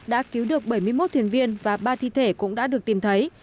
đã cứu được bảy mươi một thuyền viên và ba thi thể cũng đã được tìm thấy